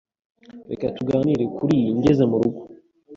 Reka tuganire kuriyi ngeze murugo.